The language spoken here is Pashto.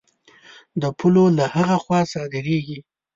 د پولو له هغه خوا صادرېږي.